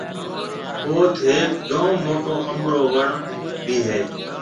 اوٿ هيڪ جوم موٽو انڀ رو وڻ ڀِي هيَ۔